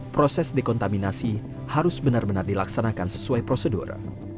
proses dekontaminasi harus benar benar dilaksanakan sesuai prosedur